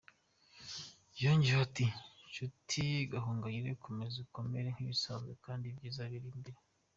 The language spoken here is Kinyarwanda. " Yongeyeho ati "Nshuti Gahongayire komeza ukomere nk’ibisanzwe kandi ibyiza biri imbere.